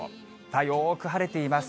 よーく晴れています。